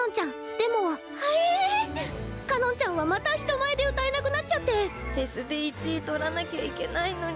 でもあれぇぇ⁉かのんちゃんはまた人前で歌えなくなっちゃってフェスで１位取らなきゃいけないのに。